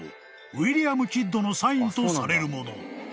ウィリアム・キッドのサインとされるもの］